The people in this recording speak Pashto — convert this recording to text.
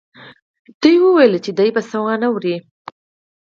دوی ویل چې دی به څه نه واوري